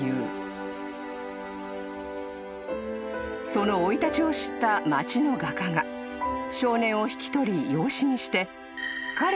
［その生い立ちを知った町の画家が少年を引き取り養子にして］